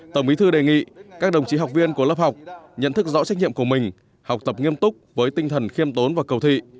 tổng bí thư đề nghị các đồng chí học viên của lớp học nhận thức rõ trách nhiệm của mình học tập nghiêm túc với tinh thần khiêm tốn và cầu thị